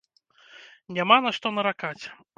Няма на што наракаць.